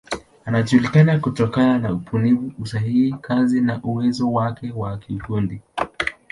Anajulikana kutokana na ubunifu, usahihi, kasi na uwezo wake wa kiufundi.